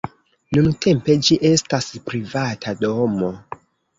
Nuntempe ĝi estas privata domo.